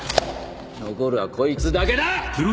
残るはこいつだけだ！